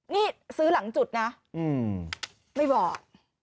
นี่ซื้อหลังจุดนะไม่บอก